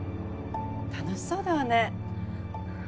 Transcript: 楽しそうだわね。